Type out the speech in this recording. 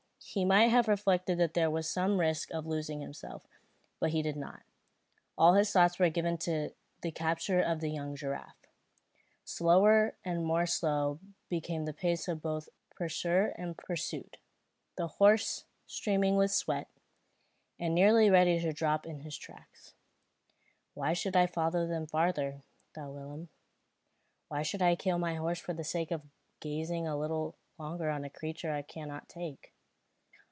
He might have reflected that there was some risk of losing himself; but he did not. All his thoughts were given to the capture of the young giraffe. Slower and more slow became the pace both of pursuer and pursued, the horse streaming with sweat, and nearly ready to drop in his tracks. "Why should I follow them farther?" thought Willem. "Why should I kill my horse for the sake of gazing a little longer on a creature I cannot take?"